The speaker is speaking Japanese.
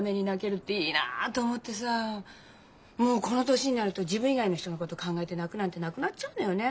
もうこの年になると自分以外の人のこと考えて泣くなんてなくなっちゃうのよね。